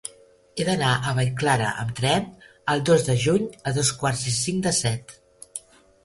He d'anar a Vallclara amb tren el dos de juny a dos quarts i cinc de set.